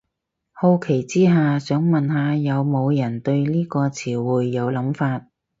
好奇之下，想問下有無人對呢個詞彙有諗法